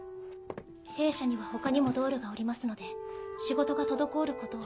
弊社には他にもドールがおりますので仕事が滞ることは。